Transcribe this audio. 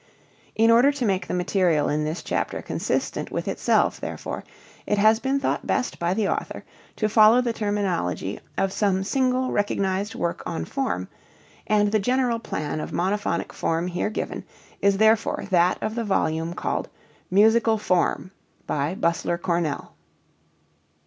In order to make the material in this chapter consistent with itself therefore it has been thought best by the author to follow the terminology of some single recognized work on form, and the general plan of monophonic form here given is therefore that of the volume called Musical Form, by Bussler Cornell.